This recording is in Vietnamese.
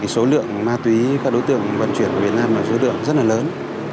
số lượng ma túy các đối tượng vận chuyển của việt nam là số lượng rất là lớn